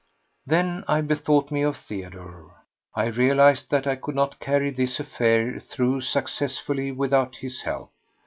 Then I bethought me of Theodore. I realised that I could not carry this affair through successfully without his help.